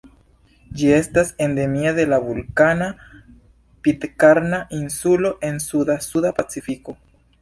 Ĝi estas endemia de la vulkana Pitkarna Insulo en suda Suda Pacifiko.